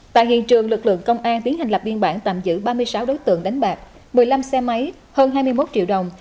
tại hiện trường lực lượng công an tiến hành lập biên bản tạm giữ ba mươi sáu đối tượng đánh bạc một mươi năm xe máy hơn hai mươi một triệu đồng